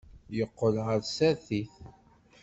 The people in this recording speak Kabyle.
Yeqqel ɣer tsertit.